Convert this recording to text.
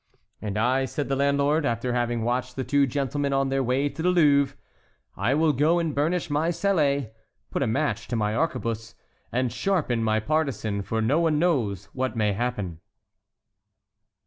"And I," said the landlord, after having watched the two gentlemen on their way to the Louvre, "I will go and burnish my sallet, put a match to my arquebuse, and sharpen my partisan, for no one knows what may happen."